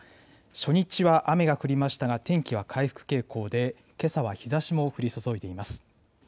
初日は雨が降りましたが、天気は回復傾向で、けさは日ざしも降り注いでいます。